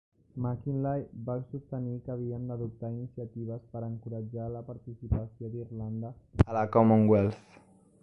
Mackinlay va sostenir que havien d'adoptar iniciatives per encoratjar la participació d'Irlanda a la Commonwealth.